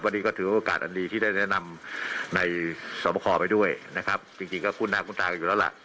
วันนี้ก็ถือโอกาสอันดีที่ได้แนะนำในสอบประคอไปด้วยนะครับจริงก็คุ้นหน้าคุ้นตากันอยู่แล้วล่ะ